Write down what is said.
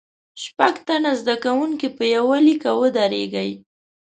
شپږ تنه زده کوونکي په یوه لیکه ودریږئ.